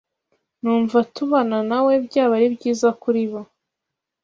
numva tubana na we byaba ari byiza kuri bo.